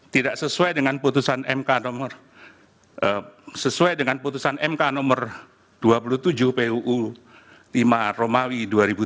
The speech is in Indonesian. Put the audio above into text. tidak sesuai dengan putusan mk nomor dua puluh tujuh puu timah romawi dua ribu tujuh